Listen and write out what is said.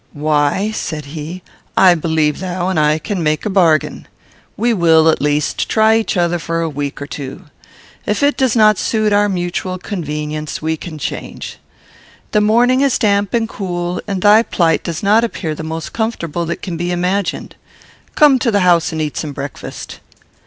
"Why," said he, "I believe thou and I can make a bargain. We will, at least, try each other for a week or two. If it does not suit our mutual convenience, we can change. The morning is damp and cool, and thy plight does not appear the most comfortable that can be imagined. Come to the house and eat some breakfast."